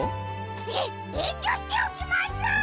ええんりょしておきます！